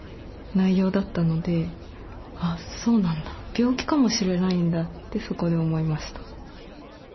病気かもしれないんだってそこで思いました。